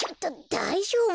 だいじょうぶ？